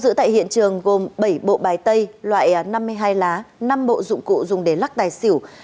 thu dự tại hiện trường gồm bảy bộ bài tây loại năm mươi hai lá năm bộ dụng cụ dùng để lắc tài xỉu